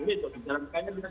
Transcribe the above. dia sudah terbuka